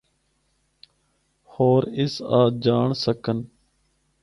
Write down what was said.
ہور او اس آں جانڑ سکّن۔